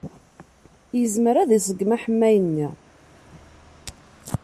Yezmer ad iṣeggem aḥemmay-nni.